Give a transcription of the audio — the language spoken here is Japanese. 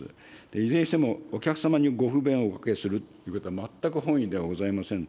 いずれにしても、お客様にご不便をおかけするということは、全く本意ではございません。